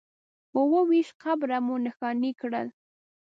اووه ویشت قبره مو نښانې کړل.